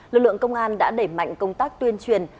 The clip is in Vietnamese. lực lượng công an đã đẩy mạnh công tác tuyên truyền